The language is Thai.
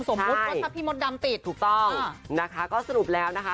สมมุติว่าถ้าพี่มดดำติดถูกต้องนะคะก็สรุปแล้วนะคะ